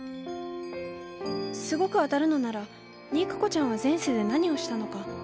すごく当たるのなら肉子ちゃんは前世で何をしたのか。